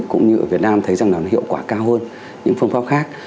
cũng như ở việt nam thấy rằng là nó hiệu quả cao hơn những phương pháp khác